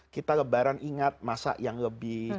kita lebaran ingat masa yang lebih